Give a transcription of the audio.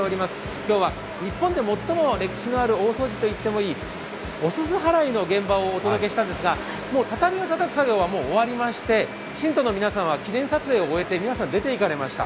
今日は日本で最も歴史のある大掃除と言ってもいいお煤払いの現場をお届けしたんですがもう畳をたたく作業は終わりまして、信徒の皆さんは記念撮影を終えて、皆さん、出ていきました。